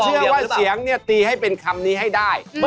เชื่อว่าเสียงเนี่ยตีให้เป็นคำนี้ให้ได้